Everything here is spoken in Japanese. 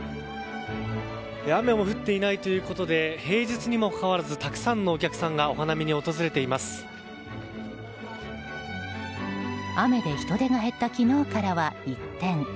雨も降っていないということで平日にもかかわらずたくさんのお客さんが雨で人出が減った昨日からは一転。